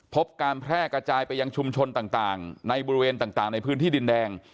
พบการแพร่กระจายไปยังชุมชนต่างในบริเวณต่างในพื้นที่ดินแดง